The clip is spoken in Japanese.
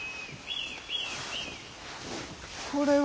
これは！